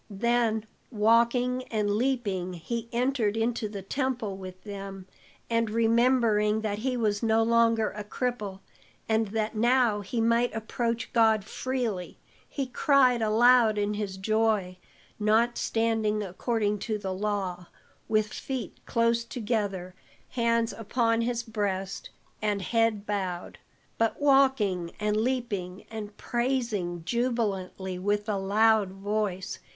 Then, walking and leaping, he entered into the temple with them, and remembering that he was no longer a cripple, and that now he might approach God freely, he cried aloud in his joy, not standing according to the law, with feet close together, hands upon his breast and head bowed, but walking and leaping and praising jubilantly with a loud voice.